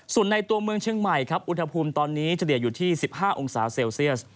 ส่วนในตัวเมืองเชียงใหม่ครับอุณหภูมิตอนนี้เฉลี่ยอยู่ที่๑๕องศาเซลเซียส